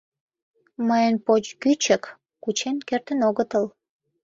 — Мыйын поч кӱчык, кучен кертын огытыл.